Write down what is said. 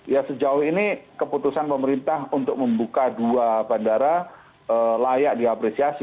ya sejauh ini keputusan pemerintah untuk membuka dua bandara layak diapresiasi